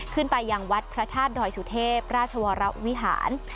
ขึ้นไปยังวัดพระชาติดอยสุเทพฯราชวรรถวิหาร